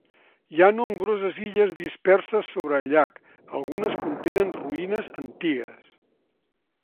Hi ha nombroses illes disperses sobre el llac, algunes contenen ruïnes antigues.